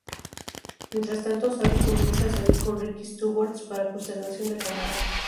Mientras tanto, Sadie comienza a salir con Ricky Schwartz, para consternación de Tamara.